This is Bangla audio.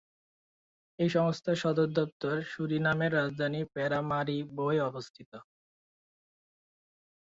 এই সংস্থার সদর দপ্তর সুরিনামের রাজধানী প্যারামারিবোয় অবস্থিত।